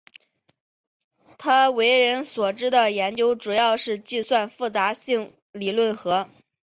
他为人所知的研究主要是计算复杂性理论和。